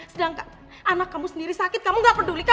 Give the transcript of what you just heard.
sedangkan anak kamu sendiri sakit kamu enggak peduli sama dia